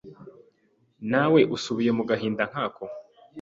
Nawe usubiye mu gahinda nkako